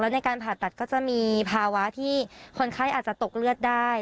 ในการผ่าตัดก็จะมีภาวะที่คนไข้อาจจะตกเลือดได้